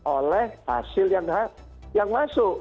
oleh hasil yang masuk